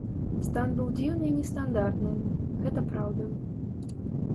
Стан быў дзіўны і нестандартны, гэта праўда.